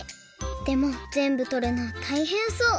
でもぜんぶとるのたいへんそう。